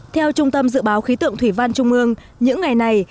theo trung tâm dự báo khí tượng thủy văn trung ương những ngày này